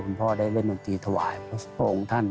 คุณพ่อได้เล่นดนตรีถวายเพราะพวกองท่าน